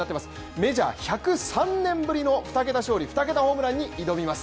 メジャー１０３年ぶりの２桁勝利、２桁ホームランに挑みます。